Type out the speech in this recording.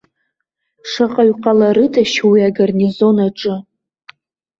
Шаҟаҩ ҟаларыдашь уи агарнизон аҿы?